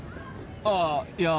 ああいや。